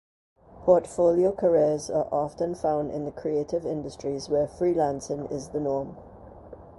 Portfolio careers are often found in the creative industries where freelancing is the norm.